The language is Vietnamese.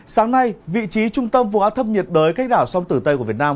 sáng nay vị trí trung tâm vùng áp thấp nhiệt đới cách đảo sông tử tây của việt nam